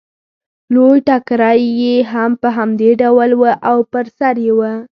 لوی ټکری یې هم په همدې ډول و او پر سر یې و